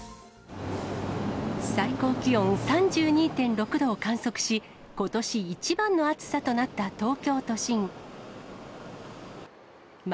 最高気温３２．６度を観測し、ことし一番の暑さとなった東京都心。